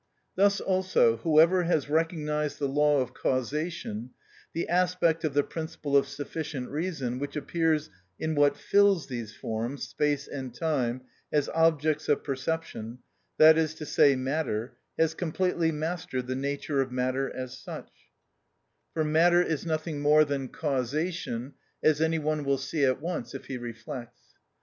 Thus also, whoever has recognised the law of causation, the aspect of the principle of sufficient reason which appears in what fills these forms (space and time) as objects of perception, that is to say matter, has completely mastered the nature of matter as such, for matter is nothing more than causation, as any one will see at once if he reflects.